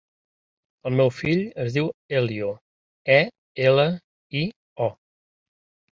El meu fill es diu Elio: e, ela, i, o.